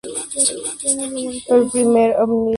Fue el primer ómnibus con un innovador diseño semi-integral.